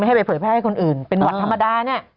ให้ไปเผยแพร่ให้คนอื่นเป็นหวัดธรรมดาเนี่ย